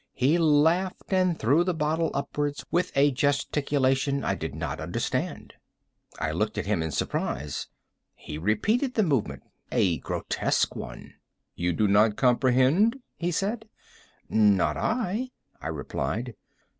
He laughed and threw the bottle upwards with a gesticulation I did not understand. I looked at him in surprise. He repeated the movement—a grotesque one. "You do not comprehend?" he said. "Not I," I replied.